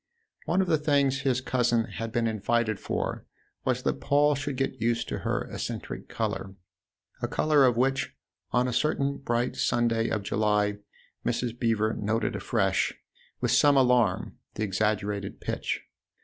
One of the things his cousin had been invited for was that Paul should get used to her eccentric colour a colour of which, on a certain bright Sunday of July, Mrs. Beever noted afresh, with some alarm, the exaggerated pitch.